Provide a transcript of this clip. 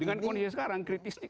dengan kondisi sekarang